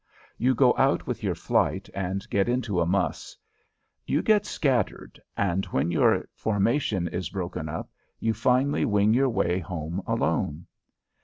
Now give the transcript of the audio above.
You go out with your "flight" and get into a muss. You get scattered and when your formation is broken up you finally wing your way home alone.